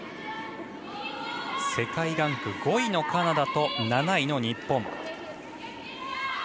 世界ランク５位のカナダと７位の日本。